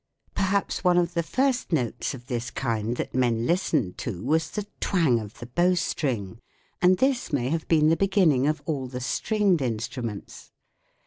Perhaps one of the first notes of this kind that THE WORLD OF SOUND men listened to was the twang of the bowstring ; and this may have been the beginning of all the stringed instruments.